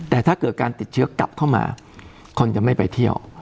แต่ถ้าเกิดการติดเชื้อกลับเข้ามาคนจะไม่ไปเที่ยว